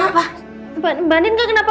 masalah mbak andien kok nangis